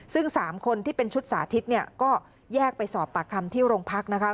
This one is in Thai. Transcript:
ซึ่ง๓คนที่เป็นชุดสาธิตเนี่ยก็แยกไปสอบปากคำที่โรงพักนะคะ